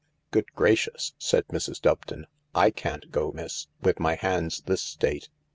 u Good gracious I " said Mrs. Doveton. "/ can't go, miss, with my hands this state."